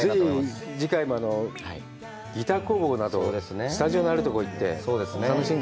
ぜひ次回もギター工房など、スタジオのあるところに行って、楽しんで。